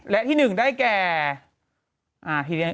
และที่หนึ่งได้แก่